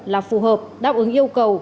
là phù hợp đáp ứng yêu cầu